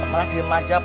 kenapa lagi macap